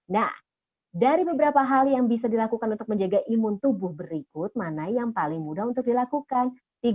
nah dari beberapa hal yang bisa dilakukan untuk menjaga imun tubuh berikut mana yang paling mudah untuk dilakukan